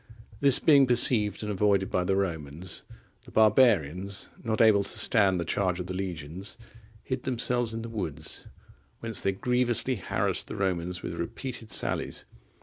This being perceived and avoided by the Romans, the barbarians, not able to stand the charge of the legions, hid themselves in the woods, whence they grievously harassed the Romans with repeated sallies.